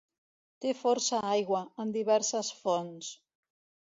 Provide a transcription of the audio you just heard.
Té força aigua, en diverses fonts.